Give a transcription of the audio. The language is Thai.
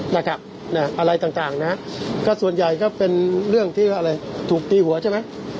นะครับนะฮะอะไรต่างต่างนะฮะก็ส่วนใหญ่ก็เป็นเรื่องที่อะไรถูกตีหัวใช่ไหม